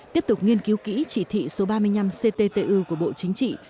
tiếp tục nghiên cứu kỹ chỉ thị số ba mươi năm cttu của bộ chính trị